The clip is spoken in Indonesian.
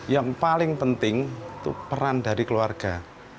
yang paling penting itu peran dari keluarga